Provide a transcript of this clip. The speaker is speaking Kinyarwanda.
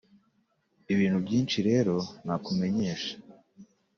ibintu byinshi rero nakumenyesha